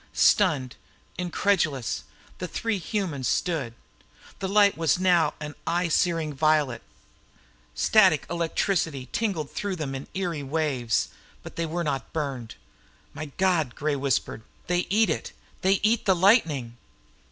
Stunned, incredulous, the three humans stood. The light was now an eye searing violet. Static electricity tingled through them in eerie waves. But they were not burned. "My God," whispered Gray. "They eat it. They eat lightning!"